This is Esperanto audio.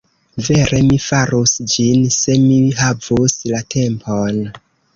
Vere mi farus ĝin, se mi havus la tempon.